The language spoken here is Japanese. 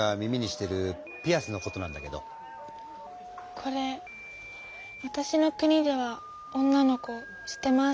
これわたしの国では女の子してます。